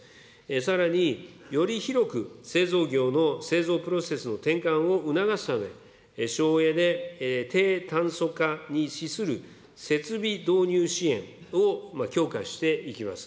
さらにより広く製造業の製造プロセスの転換を促すため、省エネ、低炭素化に資する設備導入支援を強化していきます。